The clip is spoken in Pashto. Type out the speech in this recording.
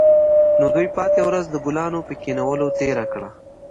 نو دوی پاتې ورځ د ګلانو په کینولو تیره کړه